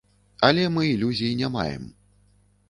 Але мы ілюзій не маем.